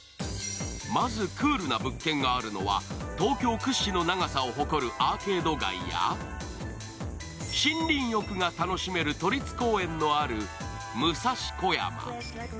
まずクールな物件があるのは東京屈指の長さを誇るアーケード街や森林浴が楽しめる都立公園のある武蔵小山。